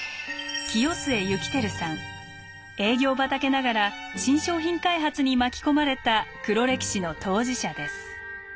営業畑ながら新商品開発に巻き込まれた黒歴史の当事者です。